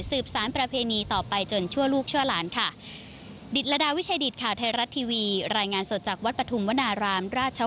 สารประเพณีต่อไปจนชั่วลูกชั่วหลานค่ะ